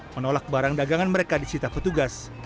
menolak barang dagangan mereka di sitah petugas